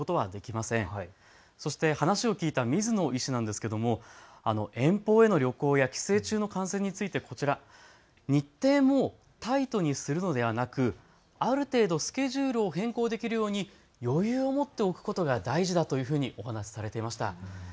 また話を聞いた水野医師なんですけども遠方への旅行や帰省中の感染について日程もタイトにするのではなくある程度、スケジュールを変更できるよう余裕を持っておくことが大事だとお話しされていました。